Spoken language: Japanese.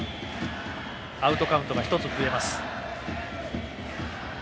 アウトカウントが１つ増えます。